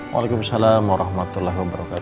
waalaikumsalam warahmatullahi wabarakatuh